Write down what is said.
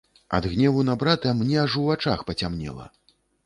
Ад гневу на брата мне аж у вачах пацямнела.